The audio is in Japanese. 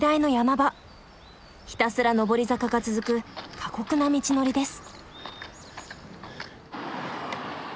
ひたすら上り坂が続く過酷な道のりです。